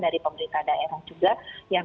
dari pemerintah daerah juga yang